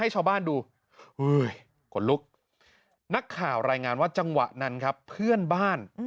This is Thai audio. เจ้ารายงานว่าจังหวะนั้นครับเพื่อนบ้าน